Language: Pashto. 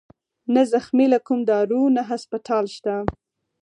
نه زخمى له کوم دارو نه هسپتال شت